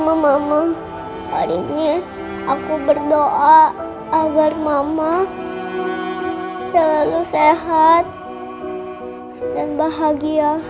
aku sayang sekali sama mama hari ini aku berdoa agar mama selalu sehat dan bahagia